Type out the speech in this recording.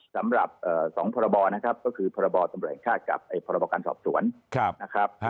สำหรับ๒พรบนะครับก็คือพรบตำรวจแห่งชาติกับพรบการสอบสวนนะครับ